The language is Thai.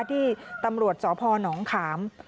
ที่ตำรวจสพนขาม